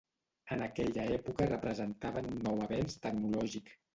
En aquella època representaven un nou avenç tecnològic.